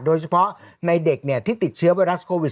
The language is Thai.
โดยเฉพาะในเด็กที่ติดเชื้อไวรัสโควิด